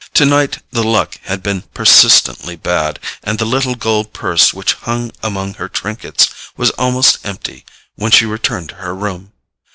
Tonight the luck had been persistently bad, and the little gold purse which hung among her trinkets was almost empty when she returned to her room.